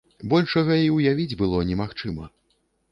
Большага і ўявіць было немагчыма.